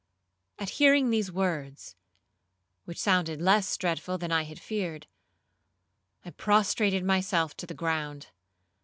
At hearing these words, which sounded less dreadful than I had feared, I prostrated myself to the ground.